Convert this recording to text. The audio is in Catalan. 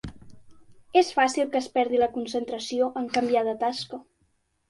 És fàcil que es perdi la concentració en canviar de tasca.